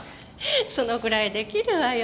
そのぐらい出来るわよ。